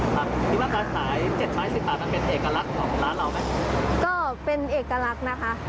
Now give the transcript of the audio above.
ทิว่านะคะสาย๗ไม้๑๐บาทมันเป็นเอกลักษณ์บาทของร้านเราไหม